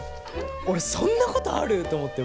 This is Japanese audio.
俺そんなことある！？と思って。